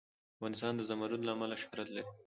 افغانستان د زمرد له امله شهرت لري.